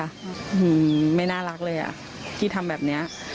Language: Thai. อืมไม่น่ารักเลยอ่ะที่ทำแบบเนี้ย